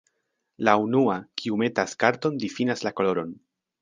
La unua, kiu metas karton difinas la koloron.